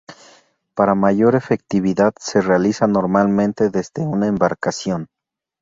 Para mayor efectividad se realiza normalmente desde una embarcación.